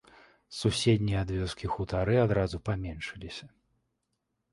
Суседнія ад вёскі хутары адразу паменшыліся.